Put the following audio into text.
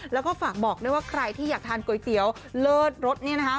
แล้วก็ฝากบอกด้วยว่าใครที่อยากทานก๋วยเตี๋ยวเลิศรสเนี่ยนะคะ